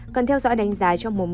cần theo dõi đánh giá